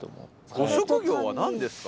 ご職業は何ですか？